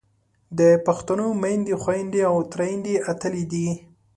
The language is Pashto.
د پښتنو میندې، خویندې او ترېیندې اتلې دي.